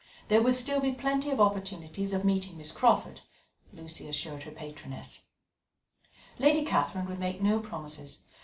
There would still be plenty of opportunities of meeting Miss Crawford, Lucy assured her patroness. Lady Catherine would make no promises.